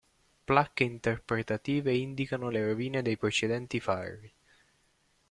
Placche interpretative indicano le rovine dei precedenti fari.